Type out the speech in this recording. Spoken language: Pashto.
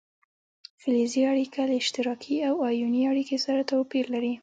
فلزي اړیکه له اشتراکي او ایوني اړیکې سره توپیر لري.